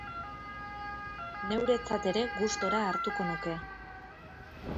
Neuretzat ere gustura hartuko nuke...